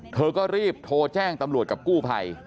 เธอก็รีบโทรแจ้งตำรวจกับกู้ภัย